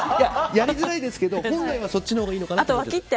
やりづらいですけど本来はそっちのほうがいいのかなって。